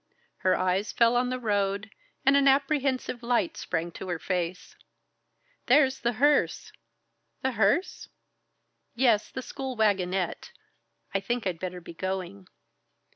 Her eyes fell on the road, and an apprehensive light sprang to her face. "There's the hearse!" "The hearse?" "Yes, the school wagonette. I think I'd better be going."